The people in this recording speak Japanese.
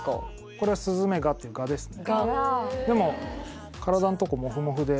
これはスズメガっていうガですね